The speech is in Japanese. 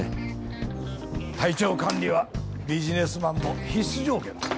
体調管理はビジネスマンの必須条件だぞ。